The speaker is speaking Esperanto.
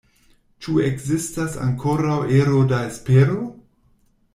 Ĉu ekzistas ankoraŭ ero da espero?